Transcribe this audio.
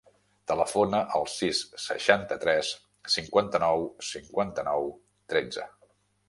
Telefona al sis, seixanta-tres, cinquanta-nou, cinquanta-nou, tretze.